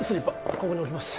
ここに置きます